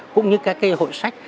cũng như các cái hội sách